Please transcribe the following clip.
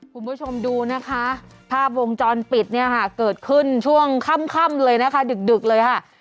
คุณผู้ชมดูนะคะภาพวงจรปิดเนี่ยค่ะเกิดขึ้นช่วงค่ำเลยนะคะดึกเลยค่ะ